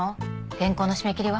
原稿の締め切りは？